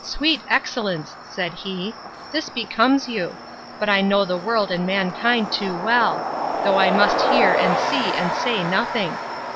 Sweet excellence! said he, this becomes you; but I know the world and mankind too well; though I must hear, and see, and say nothing.